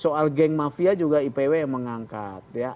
soal geng mafia juga ipw yang mengangkat